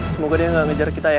semoga dia gak ngejar kita ya